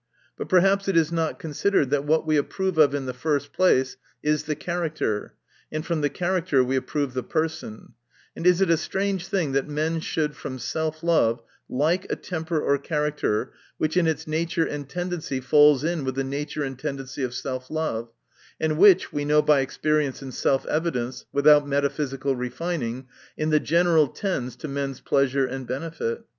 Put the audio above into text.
But perhaps it is not considered, that what we approve of in the first place is the character, and from the character we approve the person ; and is it a strange thing, that men should, from self love, like a temper or character which in its nature and tendency falls in with the nature and tendency of self love ; and which, we know by experience and self evidence, without metaphys ical refining, in the general, tends to men's pleasure and benefit